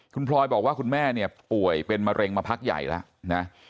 คุณพลอยบอกว่าคุณแม่เนี่ยป่วยเป็นมะเร็งมาพักใหญ่แล้วนะ